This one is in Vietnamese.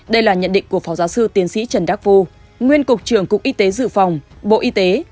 đây là nhận định của phó giáo sư tiến sĩ trần đắc phu nguyên cục trưởng cục y tế dự phòng bộ y tế